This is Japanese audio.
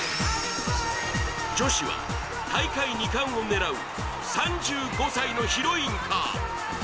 女子は大会２冠を狙う３５歳のヒロインか。